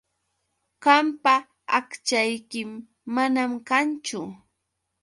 Qampa aqchaykim manam kanñachu.